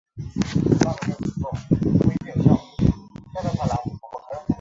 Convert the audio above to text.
普利茅斯县是美国麻萨诸塞州东南海岸的一个县。